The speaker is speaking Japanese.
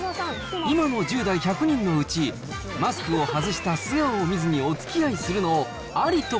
今の１０代１００人のうち、マスクを外した素顔を見ずにおつきあいするのを、ありと